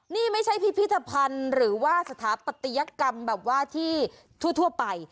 นี่ไม่ใช่พิพิธภัณฑ์หรือว่าสถาปัตยกรรมแบบว่าที่ทั่วไป